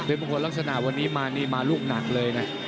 มงคลลักษณะวันนี้มานี่มาลูกหนักเลยนะ